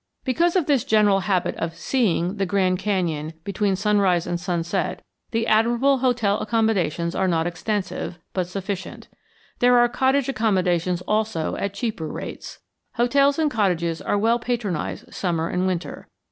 Because of this general habit of "seeing" the Grand Canyon between sunrise and sunset, the admirable hotel accommodations are not extensive, but sufficient. There are cottage accommodations also at cheaper rates. Hotels and cottages are well patronized summer and winter.